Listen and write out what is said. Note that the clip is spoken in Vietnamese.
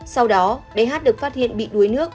sau đó bé hát được phát hiện bị đuối nước